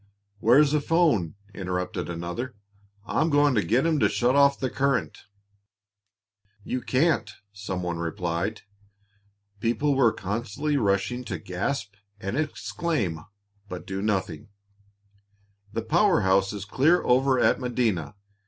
"Where's a 'phone?" interrupted another. "I'm going to get 'em to shut off the current!" "You can't," some one replied. People were constantly rushing up to gasp and exclaim, but do nothing. "The power house is clear over at Medina.